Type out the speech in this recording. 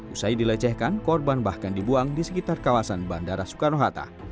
usai dilecehkan korban bahkan dibuang di sekitar kawasan bandara soekarno hatta